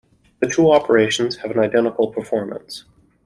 The two operations have an identical performance.